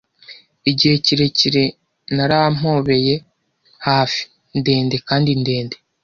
Igihe kirekire narampobeye hafi - ndende kandi ndende.